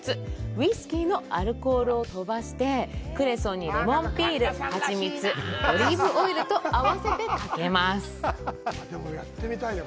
ウイスキーのアルコールを飛ばして、クレソンにレモンピール、蜂蜜、オリーブオイルと合わせてかけます。